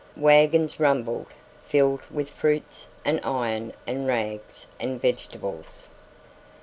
Wagons rumbled, filled with fruits and iron and rags and vegetables.